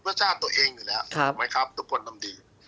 เพื่อชาติตัวเองอยู่แล้ว